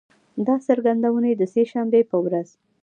دا څرګندونې د سه شنبې په ورځ